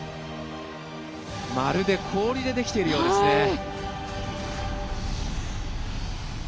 まるで氷でできているようですね。